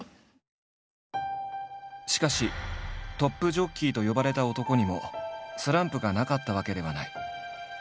しかしトップジョッキーと呼ばれた男にもスランプがなかったわけではない。